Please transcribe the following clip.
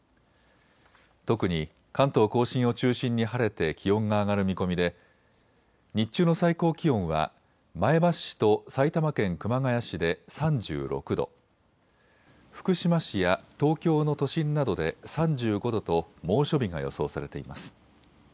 特に関東甲信を中心に晴れて気温が上がる見込みで日中の最高気温は前橋市と埼玉県熊谷市で３６度、福島市や東京の都心などで３５度と猛暑日が予想されています。